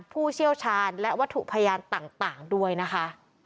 ผู้เชี่ยวชาญและวัตถุพยานต่างด้วยนะคะ